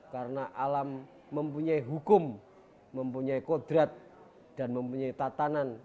karena alam mempunyai hukum mempunyai kodrat dan mempunyai tatanan